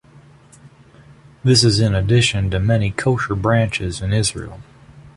This is in addition to many kosher branches in Israel.